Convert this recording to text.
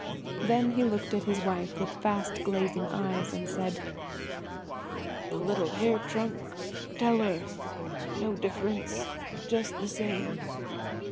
Then he looked at his wife with fast glazing eyes, and said: "The little hair trunk–tell her–no difference–just the same."